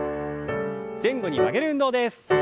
前後に曲げる運動です。